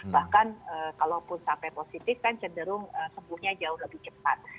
bahkan kalaupun sampai positif kan cenderung sembuhnya jauh lebih cepat